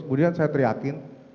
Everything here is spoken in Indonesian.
kemudian saya teriakin